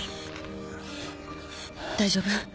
大丈夫。